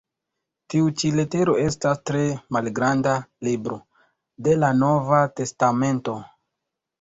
Tiu ĉi letero estas tre malgranda "libro" de la Nova testamento.